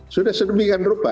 sudah sedemikian rupa